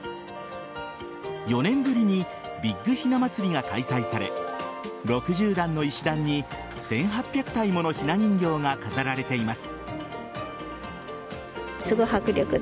４年ぶりにビッグひな祭りが開催され６０段の石段に１８００体ものひな人形が飾られています。